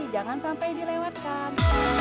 jangan sampai dilewatkan